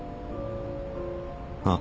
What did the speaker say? あっ